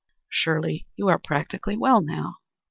"Surely. You are practically well now."